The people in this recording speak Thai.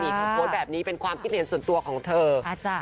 นี่ความโปรดแบบนี้เป็นความกินเหน็นส่วนตัวของเธออ่าจ้ะ